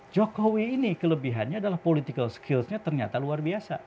jokowi ini kelebihannya adalah political skillsnya ternyata luar biasa